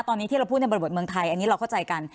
ตอนนี้ที่เราพูดในบริบทเมืองไทยอันนี้เราเข้าใจกัน